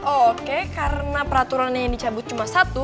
oke karena peraturannya yang dicabut cuma satu